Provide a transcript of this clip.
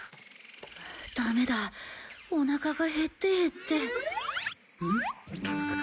ダメだおなかが減って減って。